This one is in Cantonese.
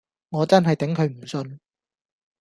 我真係頂佢唔順